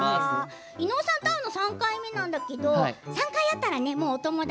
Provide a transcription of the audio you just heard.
伊野尾さんとは３回目なんだけど３回会ったらもうお友達。